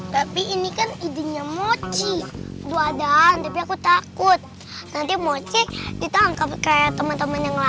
tapi ini kan izinnya mochi doa dan tapi aku takut nanti moci ditangkap kayak teman teman yang lain